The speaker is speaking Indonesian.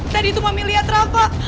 tadi itu mami lihat rafa